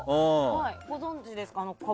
ご存じですか？